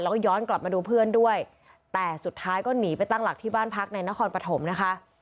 แล้วก็ย้อนกลับมาดูเพื่อนด้วยแต่สุดท้ายก็หนีไปตั้งหลักที่บ้านพักในนครปฐมนะคะ